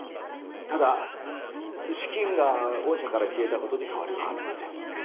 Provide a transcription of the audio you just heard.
ただ資金が御社から消えたことに変わりはありません